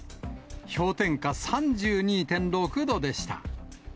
氷点下３２．６度でした。